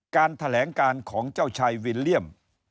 การแถลงการของเจ้าชายวิลเลี่ยม